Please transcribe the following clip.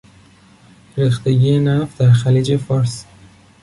ریختگی نفت در خلیج فارس